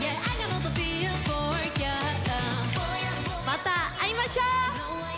また会いましょう。